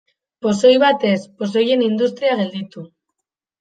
Pozoi bat ez, pozoien industria gelditu.